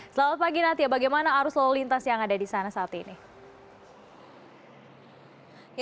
selamat pagi natya bagaimana arus lalu lintas yang ada di sana saat ini